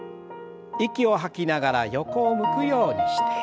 息を吐きながら横を向くようにして。